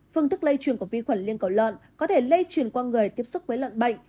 phương thức lây chuyển của vi khuẩn lên cổ lợn có thể lây chuyển qua người tiếp xúc với lợn bệnh